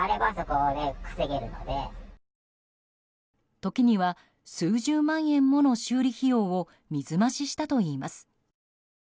時には数十万円もの修理費用を水増ししたといいます。